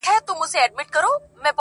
پر مخ وريځ.